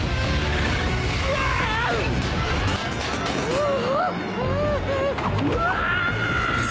うわ！